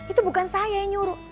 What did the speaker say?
itu bukan saya yang nyuruh